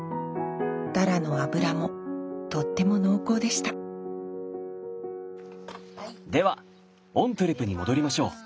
タラの油もとっても濃厚でしたではオントゥレに戻りましょう。